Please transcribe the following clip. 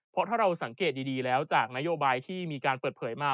เพราะถ้าเราสังเกตดีแล้วจากนโยบายที่มีการเปิดเผยมา